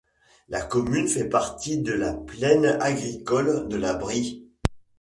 La commune fait partie de la plaine agricole de la Brie.